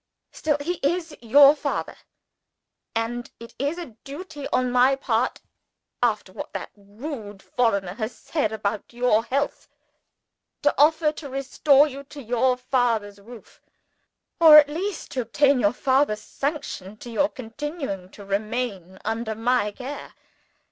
Still he is your father; and it is a duty on my part, after what that rude foreigner has said about your health, to offer to restore you to your father's roof or, at least, to obtain your father's sanction to your continuing to remain under my care.